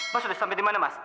mas udah sampai dimana mas